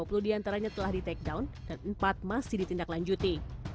ada dua puluh empat titik sebaran dua puluh diantaranya telah di take down dan empat masih ditindak lanjuti